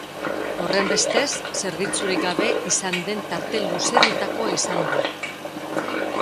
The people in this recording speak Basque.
Horrenbestez zerbitzurik gabe izan den tarte luzeenetakoa izan da.